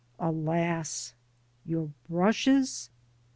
Alas! your brushes?